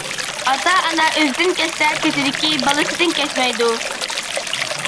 ئاتا-ئانا ئۆزىدىن كەچسە كېچىدىكى بالىسىدىن كەچمەيدۇ.